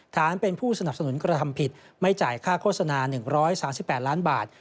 ฐานเป็นผู้สนับสนุนกระทำผิดไม่จ่ายค่าโฆษณา๑๓๘ล้านบาท